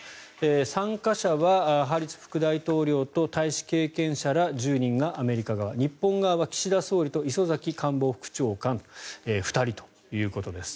参加者はハリス副大統領と大使経験者ら１０人がアメリカ側日本側は岸田総理と磯崎官房副長官２人ということです。